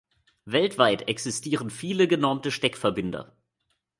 Weltweit existieren viele genormte Steckverbinder.